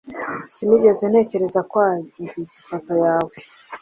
sinigeze ntekereza kwangiza ifoto yawe